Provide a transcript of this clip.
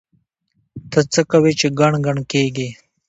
ته څه کوې چې ګڼ ګڼ کېږې؟!